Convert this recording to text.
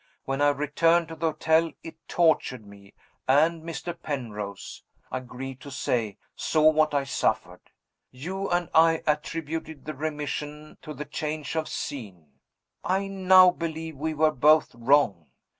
When I returned to the hotel it tortured me and Mr. Penrose, I grieve to say, saw what I suffered. You and I attributed the remission to the change of scene. I now believe we were both wrong.